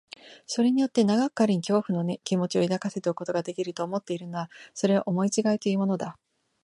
それによって長く彼に恐怖の気持を抱かせておくことができる、と思っているのなら、それは思いちがいというものだ。